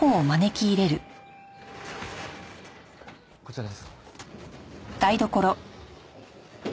こちらです。